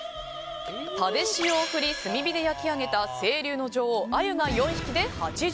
蓼塩を振り炭火で焼き上げた清流の女王アユが４匹で８０ｇ。